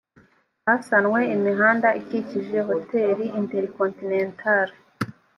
hasanwe imihanda ikikije hotel intercontinental